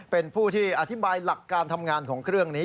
เป็นผู้ที่อธิบายหลักการทำงานของเครื่องนี้